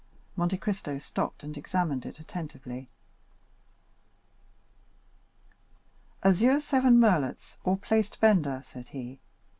Monte Cristo stopped and examined it attentively. "Azure seven merlets, or, placed bender," said he.